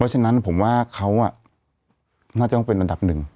ฉะนั้นผมว่าเขาน่าจะต้องเป็นอันดับหนึ่ง